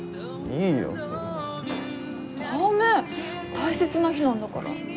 大切な日なんだから。